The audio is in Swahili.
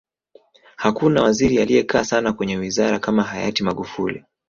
hakuna waziri aliyekaa sana kwenye wizara kama hayati magufuli